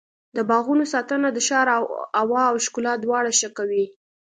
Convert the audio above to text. د باغونو ساتنه د ښار هوا او ښکلا دواړه ښه کوي.